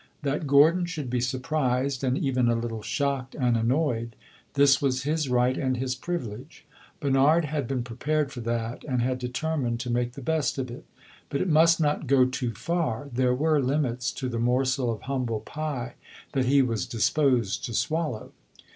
That Gordon should be surprised, and even a little shocked and annoyed this was his right and his privilege; Bernard had been prepared for that, and had determined to make the best of it. But it must not go too far; there were limits to the morsel of humble pie that he was disposed to swallow.